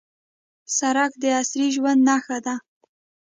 سړک د عصري ژوند نښه ده.